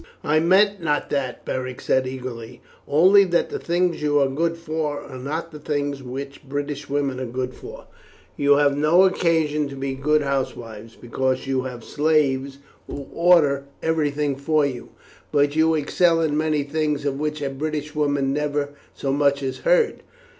"I meant not that," Beric said eagerly, "only that the things you are good for are not the things which British women are good for. You have no occasion to be good housewives, because you have slaves who order everything for you. But you excel in many things of which a British woman never so much as heard.